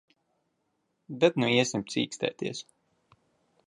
Bet nu iesim cīkstēties.